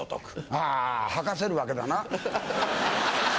あ吐かせるわけだな。